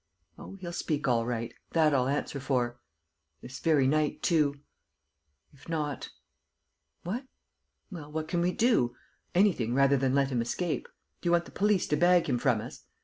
... Oh, he'll speak all right; that I'll answer for ... this very night, too ... If not ... What? ... Well, what can we do? Anything rather than let him escape! Do you want the prince to bag him from us?